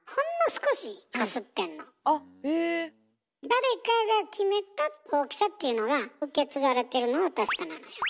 誰かが決めた大きさっていうのが受け継がれてるのは確かなのよ。